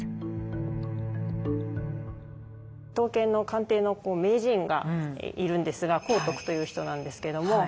刀剣の鑑定の名人がいるんですが光徳という人なんですけれども。